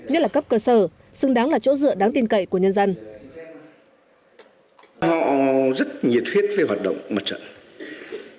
nhất là cấp cơ sở xứng đáng là chỗ dựa đáng tin cậy của nhân dân